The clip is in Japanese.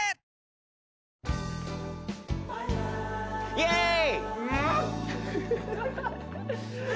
イエーイ！